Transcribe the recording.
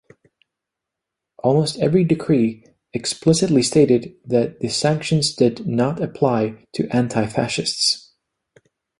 Almost every decree explicitly stated that the sanctions did not apply to antifascists.